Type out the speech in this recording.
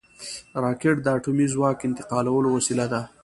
راکټ د اټومي ځواک انتقالولو وسیله ده